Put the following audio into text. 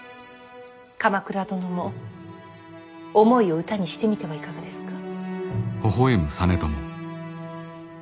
鎌倉殿も思いを歌にしてみてはいかがですか？